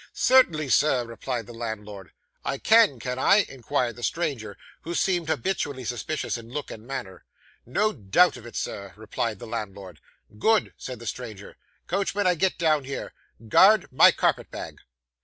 'Certainly, sir,' replied the landlord. 'I can, can I?' inquired the stranger, who seemed habitually suspicious in look and manner. 'No doubt of it, Sir,' replied the landlord. 'Good,' said the stranger. 'Coachman, I get down here. Guard, my carpet bag!